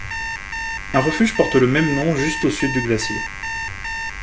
Un refuge porte le même nom juste au sud du glacier.